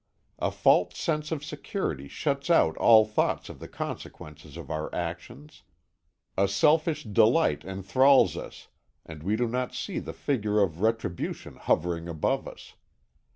A false sense of security shuts out all thoughts of the consequences of our actions. A selfish delight enthrals us, and we do not see the figure of Retribution hovering above us.